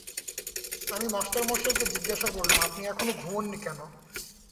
আমি মাস্টারমশায়কে জিজ্ঞাসা করলুম, আপনি এখনো ঘুমোন নি কেন?